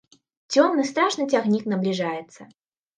Цёмны, страшны цягнік набліжаецца.